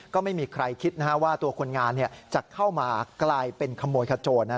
ก็ไม่มีใครคิดว่าตัวคนงานจะเข้ามากลายเป็นขโมยขโจร